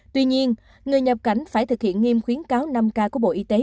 tuy nhiên người nhập cảnh phải thực hiện nghiêm khuyến cáo năm k của bộ y tế